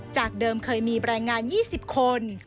จากเดิมเคยมีแรงงาน๒๐คน